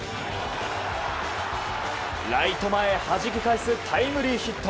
ライト前へはじき返すタイムリーヒット。